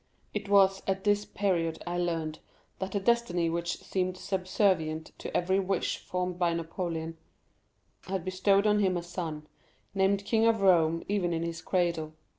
It was at this period I learned that the destiny which seemed subservient to every wish formed by Napoleon, had bestowed on him a son, named king of Rome even in his cradle.